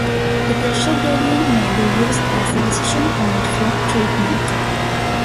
The pressure gradient may be used as a decision point for treatment.